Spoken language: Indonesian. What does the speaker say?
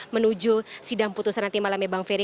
menuju sidang putusan nanti malamnya bang ferry